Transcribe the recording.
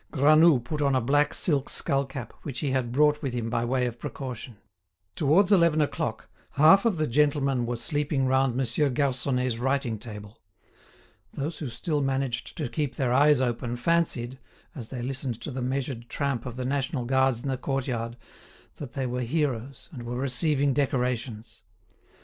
Granoux put on a black silk skull cap which he had brought with him by way of precaution. Towards eleven o'clock, half of the gentlemen were sleeping round Monsieur Garconnet's writing table. Those who still managed to keep their eyes open fancied, as they listened to the measured tramp of the national guards in the courtyard, that they were heroes and were receiving decorations.